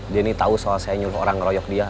dia ini tahu soal saya nyuruh orang ngeroyok dia